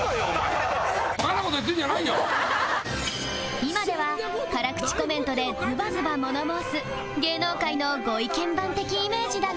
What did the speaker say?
今では辛口コメントでズバズバ物申す芸能界のご意見番的イメージだが